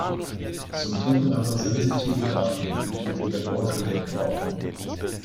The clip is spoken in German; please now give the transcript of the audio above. Zum Dritten aber sensitive Daten, für die wir genaue Regeln brauchen.